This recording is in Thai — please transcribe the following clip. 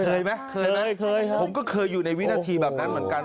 เคยมั้ยเคยผมก็เคยอยู่ในวินาทีแบบนั้นเหมือนกัน